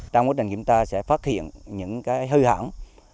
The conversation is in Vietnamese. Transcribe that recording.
trong quá trình kiểm tra sẽ phát hiện những hư hỏng